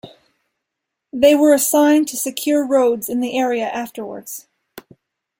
They were assigned to secure roads in the area afterwards.